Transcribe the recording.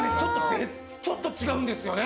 ちょっと違うんですよね。